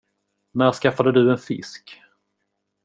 När skaffade du en fisk?